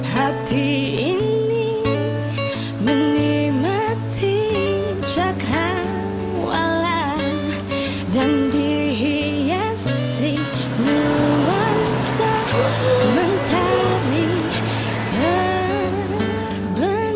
hati hati cakrawala dan dihiasi luar sementara